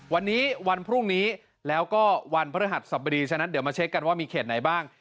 วันนี้วันพรุ่งนี้แล้วก็วันพฤหัสสบดีฉะนั้นเดี๋ยวมาเช็คกันว่ามีเขตไหนบ้าง